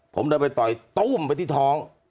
ผมก็ไปต่อตุ้มไปที่ท้อง